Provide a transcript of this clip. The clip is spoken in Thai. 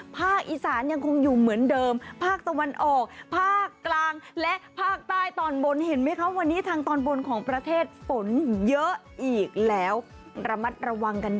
ภาคอีสานยังคงอยู่เหมือนเดิมภาคตะวันออกภาคกลาง